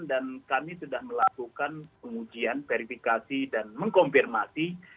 dan kami sudah melakukan pengujian verifikasi dan mengkonfirmasi